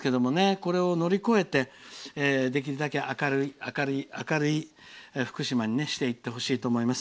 これを乗り越えてできるだけ明るい福島にしていってほしいと思います。